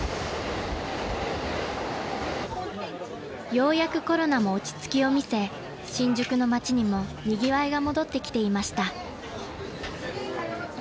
［ようやくコロナも落ち着きを見せ新宿の街にもにぎわいが戻ってきていました］